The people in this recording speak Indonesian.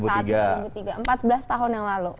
empat belas tahun yang lalu